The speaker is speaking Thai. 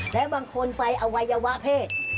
และบางคนไปอวัยวะเพศ